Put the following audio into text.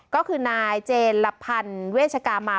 ก็คือนายเจนลพันธ์เวชกามา